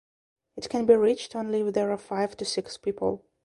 It can be reached only if there are five to six people.